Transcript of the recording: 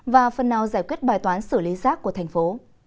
và phần nào giải quyết bài toán xử lý rác của thành phố